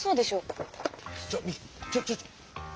ちょミちょちょ！